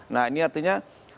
nah ini artinya